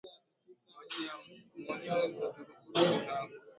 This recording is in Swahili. Maji ya moto ni mazuri kwa afya yako